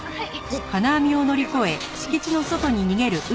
はい。